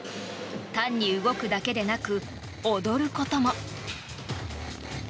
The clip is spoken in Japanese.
単に動くだけでなく踊ることも。